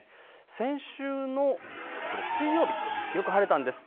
先週の水曜日、よく晴れたんです。